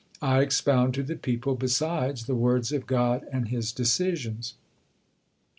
I expound to the people, besides, the words of God and His decisions."